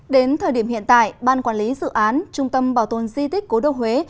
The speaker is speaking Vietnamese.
đến thời điểm hiện tại ban quản lý dự án trung tâm bảo tồn di tích cố đô huế